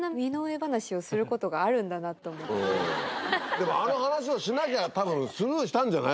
でもあの話をしなきゃたぶんスルーしたんじゃない？